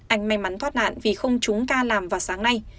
anh may mắn thoát nạn vì không trúng ca làm vào sáng nay